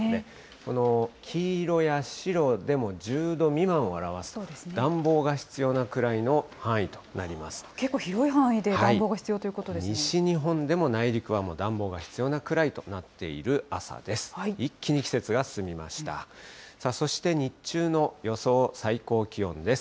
この黄色や白でも１０度未満を表す、暖房が必要なくらいの範囲と結構広い範囲で暖房が必要と西日本でも内陸はもう暖房が必要なくらいとなっている朝です。